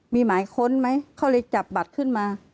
มีหมายค้นไหมเขาเลยจับบัตรขึ้นมา